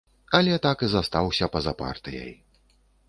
Але так і застаўся па-за партыяй.